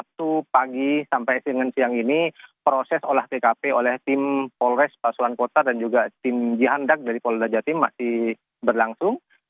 sabtu pagi sampai dengan siang ini proses olah tkp oleh tim polres pasuan kota dan juga tim jihandak dari polda jatim masih berlangsung